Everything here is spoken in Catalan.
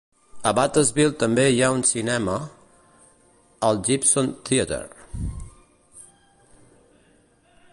A Batesville també hi ha un cinema, el Gibson Theatre.